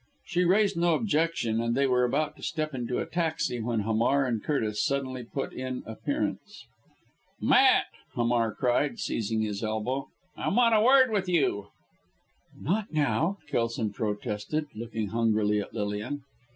She raised no objection, and they were about to step into a taxi, when Hamar and Curtis suddenly put in appearance. "Matt!" Hamar cried, seizing his elbow. "I want a word with you." "Not now," Kelson protested, looking hungrily at Lilian.